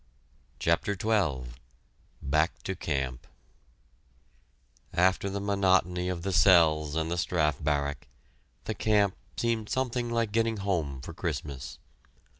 CHAPTER XII BACK TO CAMP After the monotony of the cells and the Strafe Barrack, the camp seemed something like getting home for Christmas.